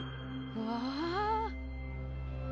うわ。